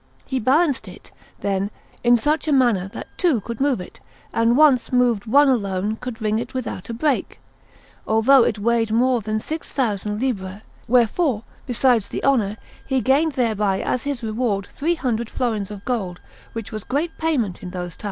He balanced it, then, in a manner that two could move it, and once moved one alone could ring it without a break, although it weighed more than six thousand libbre; wherefore, besides the honour, he gained thereby as his reward three hundred florins of gold, which was great payment in those times.